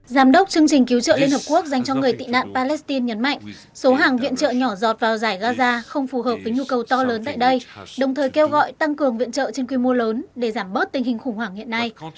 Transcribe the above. giám đốc chương trình cứu trợ liên hợp quốc dành cho người tị nạn palestine nhấn mạnh số hàng viện trợ nhỏ dọt vào giải gaza không phù hợp với nhu cầu to lớn tại đây đồng thời kêu gọi tăng cường viện trợ trên quy mô lớn để giảm bớt tình hình khủng hoảng hiện nay